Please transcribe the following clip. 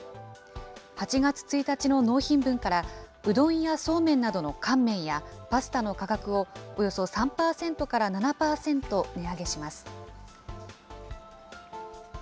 ８月１日の納品分から、うどんやそうめんなどの乾麺や、パスタの価格をおよそ３％から７％値上げします。